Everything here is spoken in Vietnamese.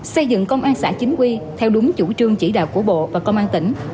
xây dựng công an xã chính quy theo đúng chủ trương chỉ đạo của bộ và công an tỉnh